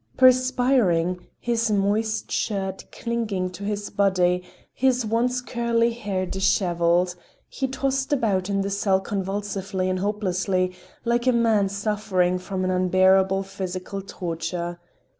Perspiring, his moist shirt clinging to his body, his once curly hair disheveled, he tossed about in the cell convulsively and hopelessly, like a man suffering from an unbearable physical torture.